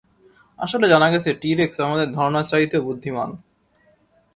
আসলে, জানা গেছে টি-রেক্স আমাদের ধারণার চাইতেও বুদ্ধিমান।